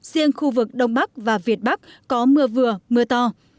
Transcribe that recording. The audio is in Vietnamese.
riêng khu vực đông bắc và việt bắc có mưa vừa mưa to